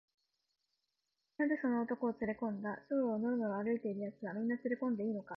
「なぜその男をつれこんだんだ？小路をのろのろ歩いているやつは、みんなつれこんでいいのか？」